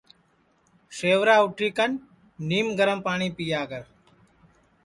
سیوا اُٹھی کن نیم گرم پاٹؔی پیا کر